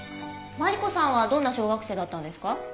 マリコさんはどんな小学生だったんですか？